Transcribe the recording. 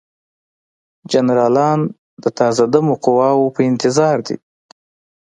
جنرالان د تازه دمه قواوو په انتظار دي.